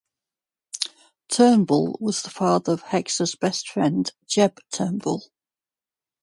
Turnbull was the father of Hex's best friend, Jeb Turnbull.